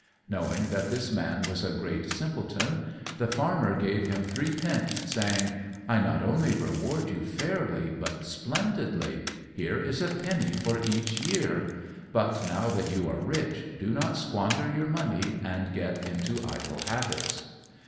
Knowing that his man was a great simpleton, the farmer gave him three pence, saying, "I not only reward you fairly, but splendidly here is a penny for each year; but, now that you are rich, do not squander your money and get into idle habits."